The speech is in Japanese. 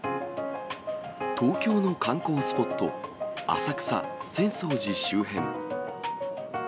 東京の観光スポット、浅草・浅草寺周辺。